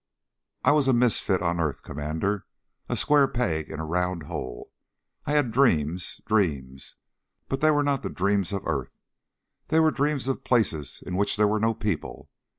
"I was a misfit on earth, Commander. A square peg in a round hole. I had dreams ... dreams, but they were not the dreams of earth. They were dreams of places in which there were no people."